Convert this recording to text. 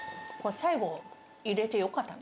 最後、入れてよかったね。